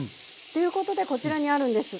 ということでこちらにあるんです。